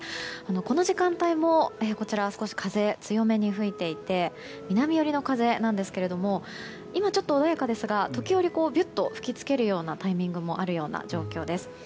この時間帯も少し風は強めに吹いていて、南寄りの風なんですけれども今、ちょっと穏やかですが時折びゅっと吹きつけるタイミングもある状況です。